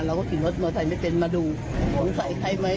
เราก็ขี่รถมอเตอร์ไม่เป็นมาดูสงสัยใครไหม